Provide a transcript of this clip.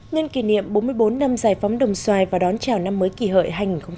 nhân kỷ niệm bốn mươi bốn năm giải phóng đồng xoài và đón chào năm mới kỳ hợi hai nghìn một mươi chín